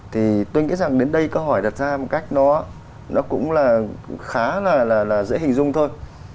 thì tôi nghĩ rằng đến đây câu hỏi đặt ra một cách nó cũng là khá là dễ hình dung thôi